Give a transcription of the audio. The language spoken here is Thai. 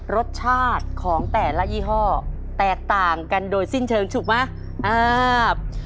รสชาติของแต่ละยี่ห้อแตกต่างกันโดยสิ้นเชิงถูกไหม